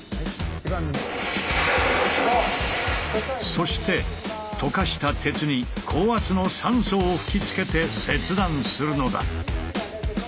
そして溶かした鉄に高圧の酸素を吹きつけて切断するのだ。